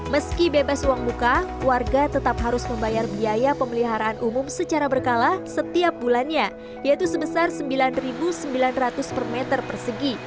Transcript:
meski bebas uang muka warga tetap harus membayar biaya pemeliharaan umum secara berkala setiap bulannya yaitu sebesar rp sembilan sembilan ratus per meter persegi